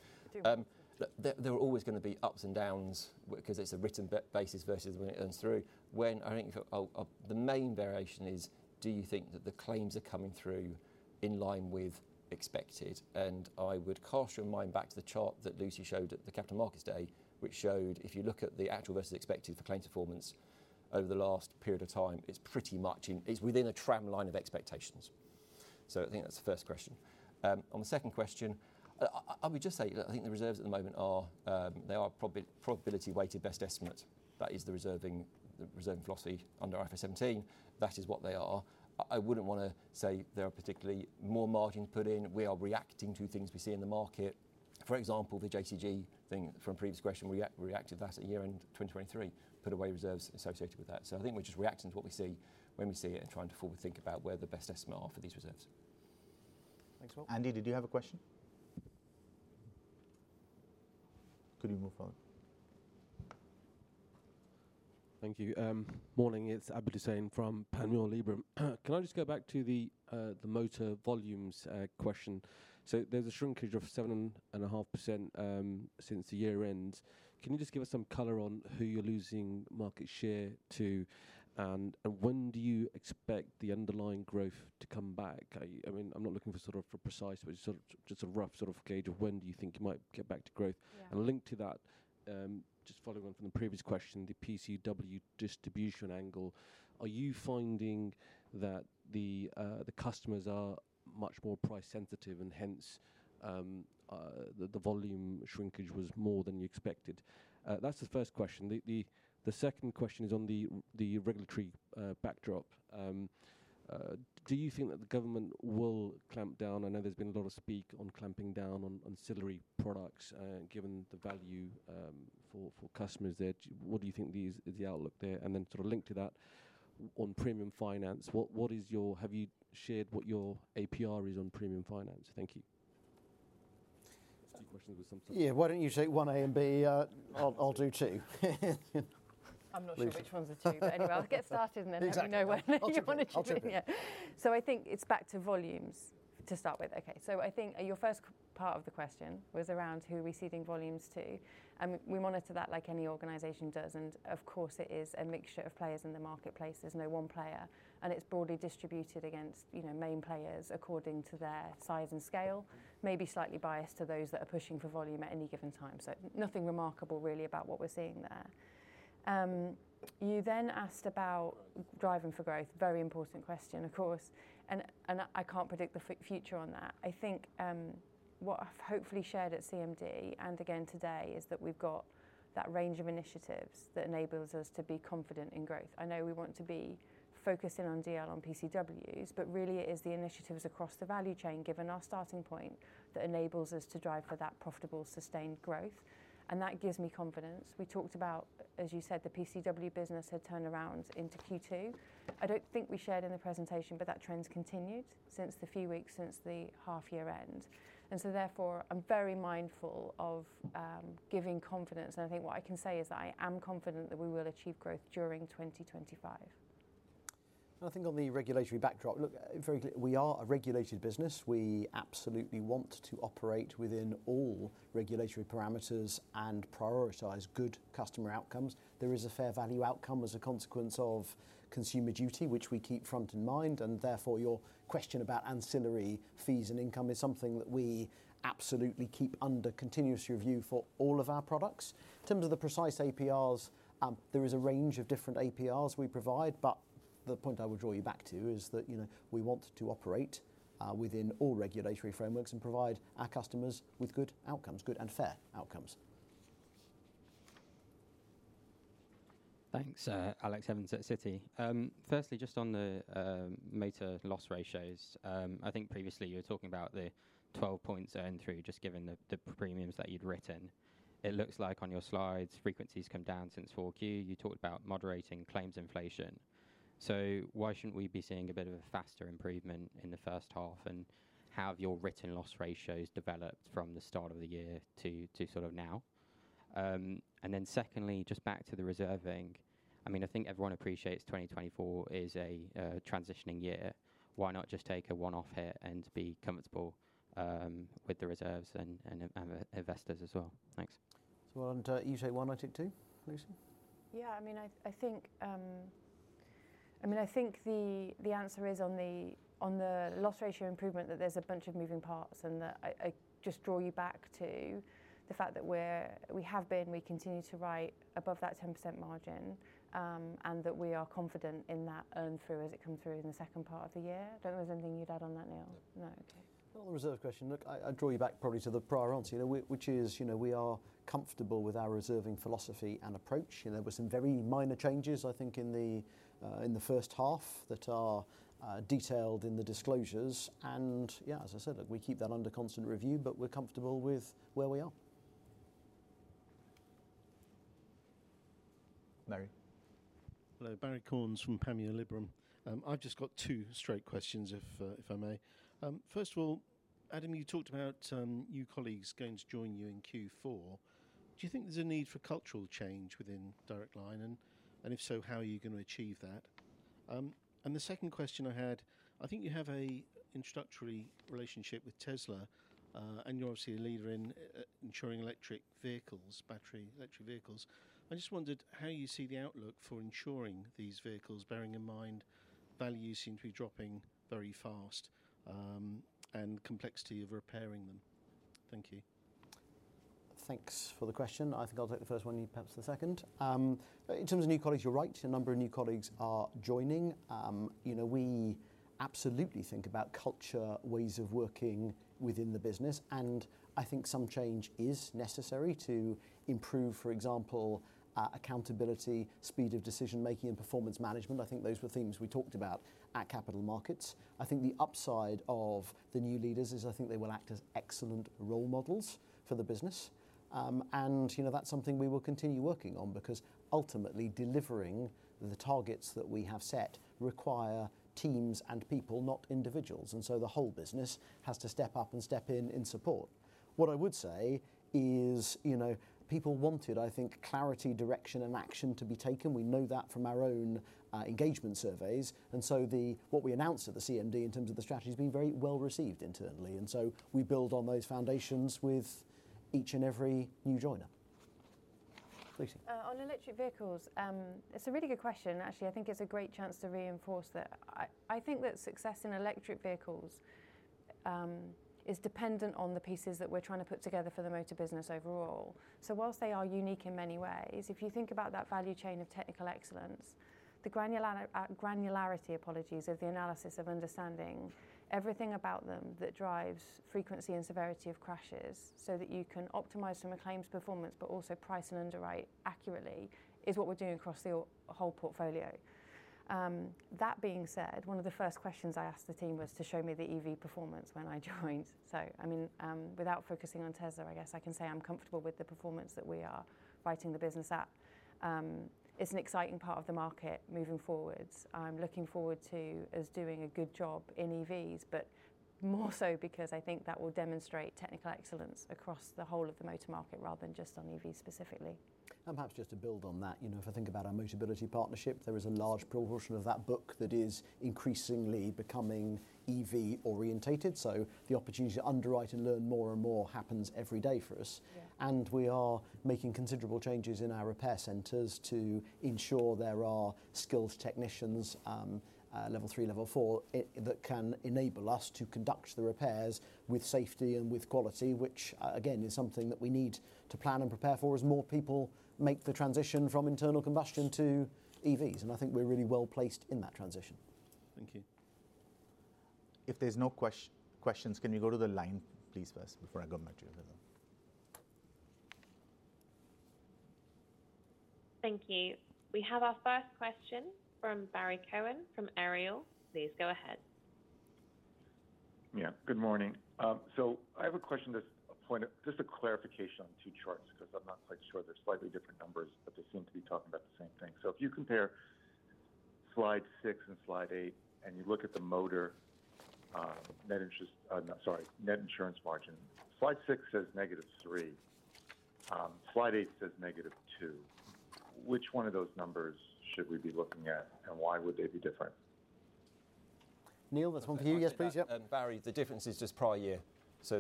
There are always going to be ups and downs because it's a written basis versus when it earns through. When I think of the main variation is: Do you think that the claims are coming through in line with expected? And I would cast your mind back to the chart that Lucy showed at the Capital Markets Day, which showed if you look at the actual versus expected for claims performance over the last period of time, it's pretty much within a tramline of expectations. So I think that's the first question. On the second question, I would just say that I think the reserves at the moment are, they are probability weighted best estimate. That is the reserving philosophy under IFRS 17. That is what they are. I wouldn't want to say there are particularly more margins put in. We are reacting to things we see in the market. For example, the JCG thing from a previous question, reacted that at year-end 2023, put away reserves associated with that. So I think we're just reacting to what we see when we see it and trying to forward think about where the best estimate are for these reserves. Thanks, Will. Andy, did you have a question? Good. We move on. Thank you. Morning, it's Abid Hussain from Panmure Liberum. Can I just go back to the motor volumes question? So there's a shrinkage of 7.5% since the year-end. Can you just give us some color on who you're losing market share to, and when do you expect the underlying growth to come back? I mean, I'm not looking for sort of for precise, but sort of just a rough sort of gauge of when do you think you might get back to growth? Yeah. And linked to that, just following on from the previous question, the PCW distribution angle, are you finding that the customers are much more price sensitive and hence the volume shrinkage was more than you expected? That's the first question. The second question is on the regulatory backdrop. Do you think that the government will clamp down? I know there's been a lot of speak on clamping down on ancillary products, given the value for customers there. What do you think the outlook there? And then sort of linked to that, on premium finance, have you shared what your APR is on premium finance? Thank you. There's two questions with some sort of- Yeah, why don't you take one A and B? I'll do two. I'm not sure which ones are two. Anyway, I'll get started, and then. Exactly. Let you know when you want to chip in. I'll chip in. Yeah. So I think it's back to volumes to start with. Okay. So I think your first part of the question was around who we're ceding volumes to, and we monitor that like any organization does, and of course, it is a mixture of players in the marketplace. There's no one player, and it's broadly distributed against, you know, main players according to their size and scale. Maybe slightly biased to those that are pushing for volume at any given time. So nothing remarkable really about what we're seeing there. You then asked about driving for growth. Very important question, of course, and I can't predict the future on that. I think what I've hopefully shared at CMD and again today is that we've got that range of initiatives that enables us to be confident in growth. I know we want to be focusing on DL and PCWs, but really it is the initiatives across the value chain, given our starting point, that enables us to drive for that profitable, sustained growth, and that gives me confidence. We talked about, as you said, the PCW business had turned around into Q2. I don't think we shared in the presentation, but that trend's continued since the few weeks since the half year end, and so therefore, I'm very mindful of giving confidence, and I think what I can say is that I am confident that we will achieve growth during twenty twenty-five. I think on the regulatory backdrop, look, very clear, we are a regulated business. We absolutely want to operate within all regulatory parameters and prioritize good customer outcomes. There is a fair value outcome as a consequence of Consumer Duty, which we keep front in mind, and therefore your question about ancillary fees and income is something that we absolutely keep under continuous review for all of our products. In terms of the precise APRs, there is a range of different APRs we provide, but the point I would draw you back to is that, you know, we want to operate, within all regulatory frameworks and provide our customers with good outcomes, good and fair outcomes. Thanks, Alex Evans at Citi. Firstly, just on the motor loss ratios, I think previously you were talking about the 12-point earn through, just given the premiums that you'd written. It looks like on your slides, frequency's come down since Q4. You talked about moderating claims inflation. So why shouldn't we be seeing a bit of a faster improvement in the first half, and have your written loss ratios developed from the start of the year to sort of now? And then secondly, just back to the reserving. I mean, I think everyone appreciates 2024 is a transitioning year. Why not just take a one-off hit and be comfortable with the reserves and the investors as well? Thanks. So why don't you take one, I'll take two, Lucy? Yeah, I mean, I think the answer is on the loss ratio improvement, that there's a bunch of moving parts, and that I just draw you back to the fact that we have been, we continue to write above that 10% margin, and that we are confident in that earn through as it comes through in the second part of the year. I don't know if there's anything you'd add on that, Neil? No. No. Okay. On the reserve question, look, I, I'd draw you back probably to the prior answer. You know, which is, you know, we are comfortable with our reserving philosophy and approach. You know, there were some very minor changes, I think, in the first half that are detailed in the disclosures. And yeah, as I said, look, we keep that under constant review, but we're comfortable with where we are. Barrie? Hello, Barrie Corns from Panmure Liberum. I've just got two straight questions, if I may. First of all, Adam, you talked about new colleagues going to join you in Q4. Do you think there's a need for cultural change within Direct Line? And if so, how are you going to achieve that? And the second question I had, I think you have a introductory relationship with Tesla, and you're obviously a leader in insuring electric vehicles, battery electric vehicles. I just wondered how you see the outlook for insuring these vehicles, bearing in mind values seem to be dropping very fast, and complexity of repairing them. Thank you. Thanks for the question. I think I'll take the first one, and you perhaps the second. In terms of new colleagues, you're right, a number of new colleagues are joining. You know, we absolutely think about culture, ways of working within the business, and I think some change is necessary to improve, for example, accountability, speed of decision-making, and performance management. I think those were themes we talked about at Capital Markets. I think the upside of the new leaders is I think they will act as excellent role models for the business, and you know, that's something we will continue working on, because ultimately, delivering the targets that we have set require teams and people, not individuals, and so the whole business has to step up and step in in support. What I would say is, you know, people wanted, I think, clarity, direction, and action to be taken. We know that from our own engagement surveys, and so what we announced at the CMD in terms of the strategy has been very well-received internally, and so we build on those foundations with each and every new joiner. Lucy? On electric vehicles, it's a really good question. Actually, I think it's a great chance to reinforce that I, I think that success in electric vehicles, is dependent on the pieces that we're trying to put together for the motor business overall. So whilst they are unique in many ways, if you think about that value chain of technical excellence, the granular, granularity, apologies, of the analysis of understanding everything about them that drives frequency and severity of crashes so that you can optimize from a claims performance, but also price and underwrite accurately, is what we're doing across the whole portfolio. That being said, one of the first questions I asked the team was to show me the EV performance when I joined. I mean, without focusing on Tesla, I guess I can say I'm comfortable with the performance that we are writing the business at. It's an exciting part of the market moving forward. I'm looking forward to us doing a good job in EVs, but more so because I think that will demonstrate technical excellence across the whole of the motor market, rather than just on EVs specifically. And perhaps just to build on that, you know, if I think about our Motability partnership, there is a large proportion of that book that is increasingly becoming EV-oriented. So the opportunity to underwrite and learn more and more happens every day for us. Yeah. We are making considerable changes in our repair centers to ensure there are skilled technicians, level three, level four, that can enable us to conduct the repairs with safety and with quality, which, again, is something that we need to plan and prepare for as more people make the transition from internal combustion to EVs, and I think we're really well-placed in that transition. Thank you.... If there's no questions, can we go to the line, please, first, before I go back to you as well? Thank you. We have our first question from Barrie Cohen from Ariel. Please go ahead. Yeah, good morning. So I have a question, just a point of just a clarification on two charts, 'cause I'm not quite sure. They're slightly different numbers, but they seem to be talking about the same thing. So if you compare slide six and slide eight, and you look at the motor, no, sorry, net insurance margin. Slide six says negative three. Slide eight says negative two. Which one of those numbers should we be looking at, and why would they be different? Neil, that's one for you. Yes, please. Yeah. Barrie, the difference is just prior year. So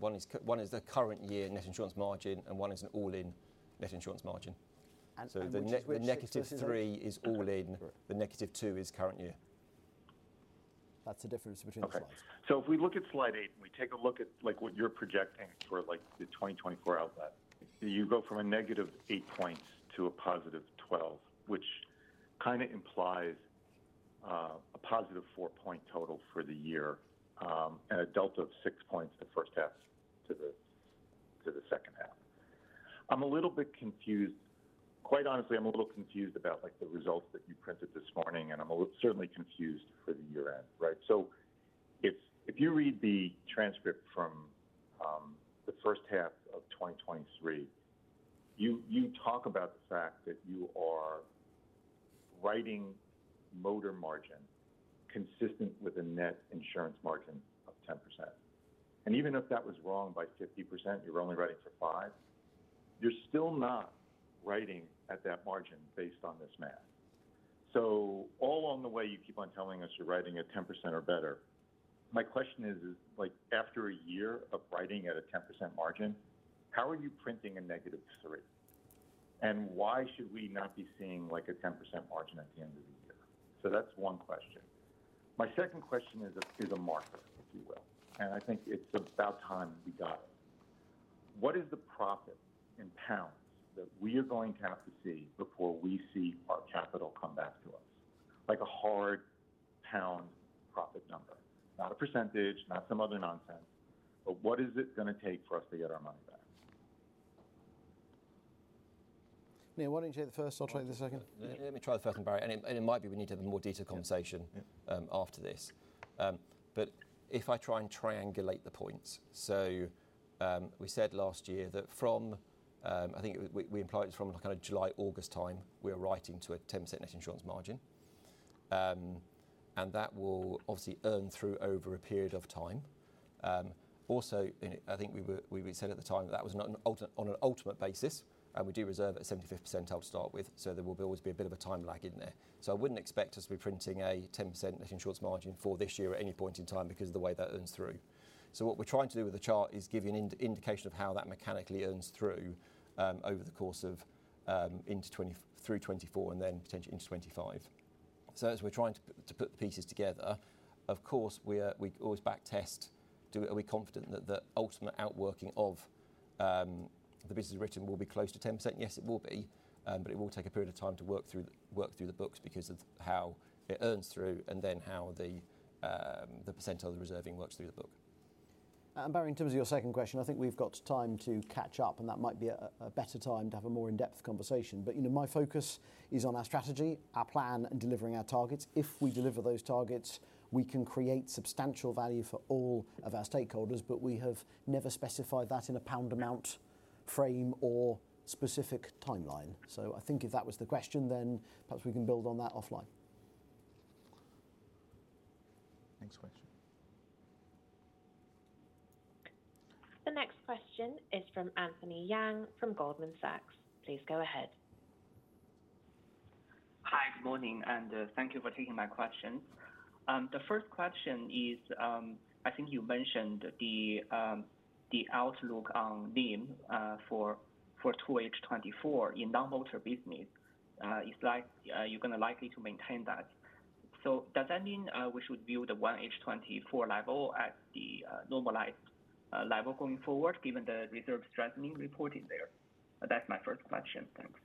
one is the current year net insurance margin, and one is an all-in net insurance margin. And which is which? So the negative three is all in. The negative two is current year. That's the difference between the slides. Okay. So if we look at slide eight, and we take a look at, like, what you're projecting for, like, the 2024 outlook, you go from a negative eight points to a positive 12, which kind of implies a positive four-point total for the year, and a delta of six points the first half to the second half. I'm a little bit confused. Quite honestly, I'm a little confused about, like, the results that you printed this morning, and I'm a little, certainly confused for the year-end, right? So if you read the transcript from the first half of 2023, you talk about the fact that you are writing motor margin consistent with a net insurance margin of 10%. And even if that was wrong by 50%, you were only writing for 5, you're still not writing at that margin based on this math. So all along the way, you keep on telling us you're writing at 10% or better. My question is, like, after a year of writing at a 10% margin, how are you printing a -3%? And why should we not be seeing, like, a 10% margin at the end of the year? So that's one question. My second question is a marker, if you will, and I think it's about time we got it. What is the profit in pounds that we are going to have to see before we see our capital come back to us? Like a hard pound profit number, not a percentage, not some other nonsense, but what is it gonna take for us to get our money back? Neil, why don't you take the first? I'll take the second. Let me try the first one, Barrie, and it might be we need to have a more detailed conversation-... after this. But if I try and triangulate the points, so, we said last year that from, I think we implied it from kind of July, August time, we are writing to a 10% net insurance margin. And that will obviously earn through over a period of time. Also, and I think we said at the time that was not an ultimate, on an ultimate basis, and we do reserve at 75% to start with, so there will always be a bit of a time lag in there. So I wouldn't expect us to be printing a 10% net insurance margin for this year at any point in time because of the way that earns through. So what we're trying to do with the chart is give you an indication of how that mechanically earns through over the course of into 2024 and then potentially into 2025. So as we're trying to put the pieces together, of course, we always backtest. Are we confident that the ultimate outworking of the business written will be close to 10%? Yes, it will be, but it will take a period of time to work through the books because of how it earns through and then how the percentile of the reserving works through the book. And, Barrie, in terms of your second question, I think we've got time to catch up, and that might be a better time to have a more in-depth conversation. But, you know, my focus is on our strategy, our plan, and delivering our targets. If we deliver those targets, we can create substantial value for all of our stakeholders, but we have never specified that in a pound amount, frame, or specific timeline. So I think if that was the question, then perhaps we can build on that offline. Next question. The next question is from Anthony Yang, from Goldman Sachs. Please go ahead. Hi, good morning, and, thank you for taking my question. The first question is, I think you mentioned the, the outlook on NIM, for 2H 2024 in non-motor business. It's like, you're gonna likely to maintain that. So does that mean, we should view the 1H 2024 level at the, normalized, level going forward, given the reserve strengthening reporting there? That's my first question. Thanks.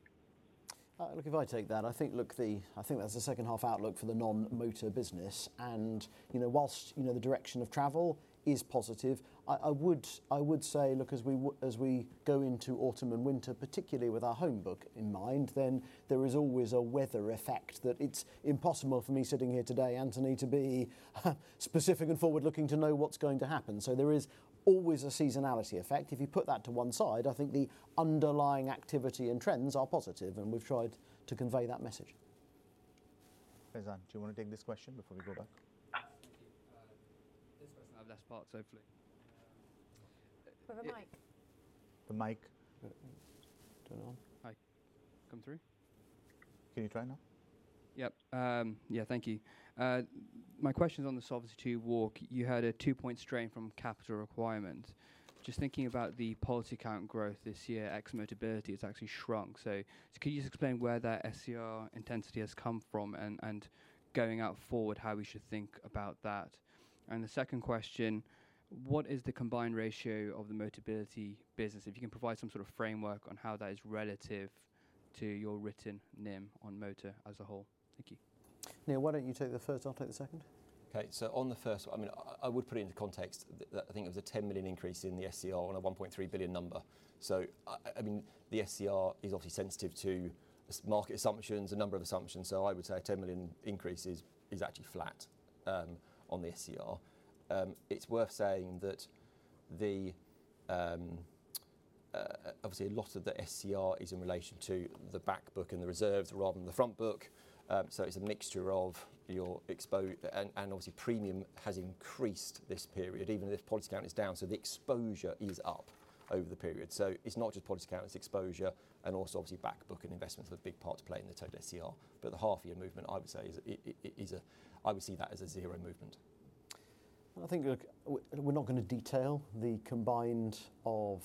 Look, if I take that, I think, look, I think that's the second half outlook for the non-motor business, and, you know, while, you know, the direction of travel is positive, I would say, look, as we go into autumn and winter, particularly with our home book in mind, then there is always a weather effect, that it's impossible for me sitting here today, Anthony, to be specific and forward-looking to know what's going to happen. So there is always a seasonality effect. If you put that to one side, I think the underlying activity and trends are positive, and we've tried to convey that message. Faizan, do you want to take this question before we go back? Thank you. This person have less parts, hopefully. With the mic. The mic. Turn on. Hi. Come through? Can you try now? Yep, yeah, thank you. My question is on the Solvency II walk. You had a two-point strain from capital requirement. Just thinking about the policy count growth this year, ex-Motability has actually shrunk. Could you just explain where that SCR intensity has come from and going forward, how we should think about that? And the second question, what is the combined ratio of the Motability business? If you can provide some sort of framework on how that is relative to your written NIM on motor as a whole? Thank you. Neil, why don't you take the first. I'll take the second. Okay, so on the first one, I mean, I would put it into context that I think it was a ten million increase in the SCR on a one point three billion number. So, I mean, the SCR is obviously sensitive to market assumptions, a number of assumptions, so I would say a ten million increase is actually flat on the SCR. It's worth saying that obviously a lot of the SCR is in relation to the back book and the reserves rather than the front book. So it's a mixture of your exposure and obviously, premium has increased this period, even if policy count is down, so the exposure is up over the period. So it's not just policy count, it's exposure, and also obviously, back book and investments have a big part to play in the total SCR. But the half year movement, I would say, I would see that as a zero movement. I think, look, we're not going to detail the combined of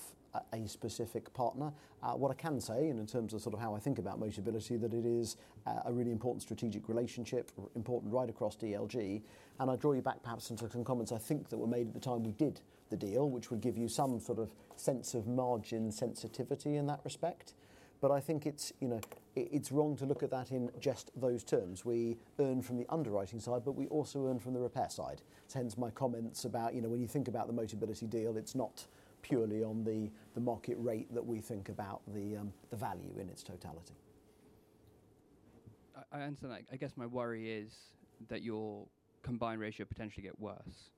a specific partner. What I can say, and in terms of sort of how I think about Motability, that it is a really important strategic relationship, important right across DLG. And I draw you back perhaps into some comments I think that were made at the time we did the deal, which would give you some sort of sense of margin sensitivity in that respect. But I think it's, you know, it's wrong to look at that in just those terms. We earn from the underwriting side, but we also earn from the repair side. Hence my comments about, you know, when you think about the Motability deal, it's not purely on the market rate that we think about the value in its totality. I understand that. I guess my worry is that your combined ratio potentially get worse.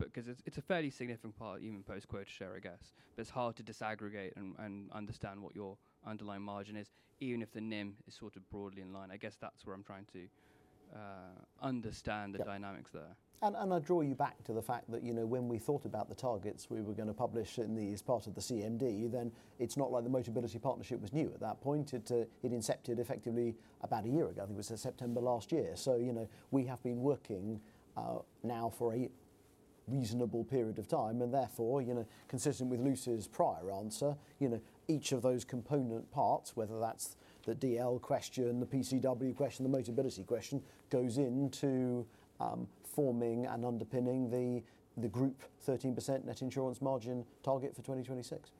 Because it's a fairly significant part, even post quote share, I guess. But it's hard to disaggregate and understand what your underlying margin is, even if the NIM is sort of broadly in line. I guess that's where I'm trying to understand the-... dynamics there. I draw you back to the fact that, you know, when we thought about the targets we were going to publish in the CMD, as part of the CMD, then it's not like the Motability partnership was new at that point. It incepted effectively about a year ago, I think it was September last year. So, you know, we have been working now for a reasonable period of time, and therefore, you know, consistent with Lucy's prior answer, you know, each of those component parts, whether that's the DL question, the PCW question, the Motability question, goes into forming and underpinning the group 13% net insurance margin target for 2026.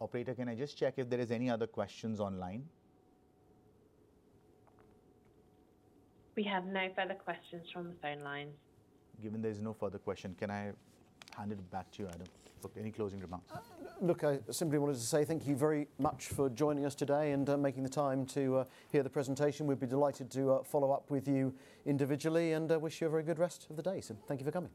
Operator, can I just check if there is any other questions online? We have no further questions from the phone lines. Given there's no further question, can I hand it back to you, Adam, for any closing remarks? Look, I simply wanted to say thank you very much for joining us today and making the time to hear the presentation. We'd be delighted to follow up with you individually, and I wish you a very good rest of the day, so thank you for coming.